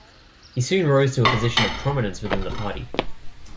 He soon rose to a position of prominence within the party.